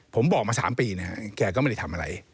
ผมบอกมา๓ปีนะฮะแกก็ไม่ได้ทำอะไร